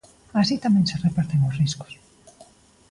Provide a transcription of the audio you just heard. Así tamén se reparten os riscos.